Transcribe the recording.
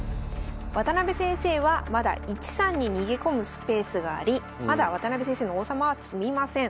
渡辺先生はまだ１三に逃げ込むスペースがありまだ渡辺先生の王様は詰みません。